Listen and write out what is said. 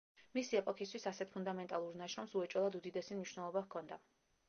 მისი ეპოქისთვის ასეთ ფუნდამენტალურ ნაშრომს უეჭველად უდიდესი მნიშვნელობა ჰქონდა.